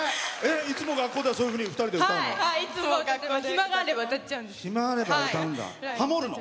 いつも学校では、そういうふうに２人で歌うの？